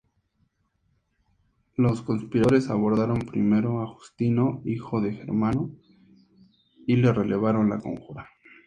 Los conspiradores abordaron primero a Justino, hijo de Germano, y le revelaron la conjura.